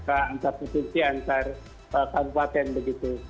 antar provinsi antar kabupaten begitu